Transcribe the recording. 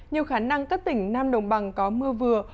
nhiều khả năng các tỉnh nam đồng bằng có mưa vừa